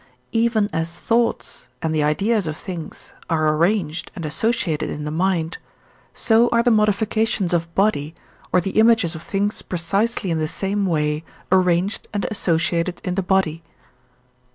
I. Even as thoughts and the ideas of things are arranged and associated in the mind, so are the modifications of body or the images of things precisely in the same way arranged and associated in the body.